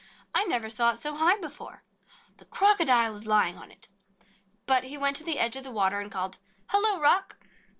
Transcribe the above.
"I never saw it so high before. The Crocodile is lying on it!" But he went to the edge of the water and called: "Hello, Rock!"